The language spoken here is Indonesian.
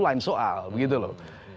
lain soal begitu loh